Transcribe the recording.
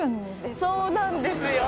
そうなんですよ。